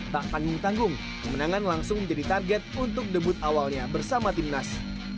tak tanggung tanggung kemenangan langsung menjadi target untuk debut awalnya bersama timnas